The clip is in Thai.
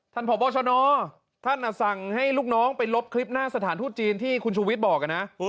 พบชนท่านสั่งให้ลูกน้องไปลบคลิปหน้าสถานทูตจีนที่คุณชูวิทย์บอกนะ